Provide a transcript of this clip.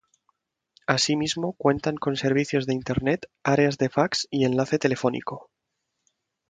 Asimismo cuentan con servicios de internet, áreas de fax y enlace telefónico.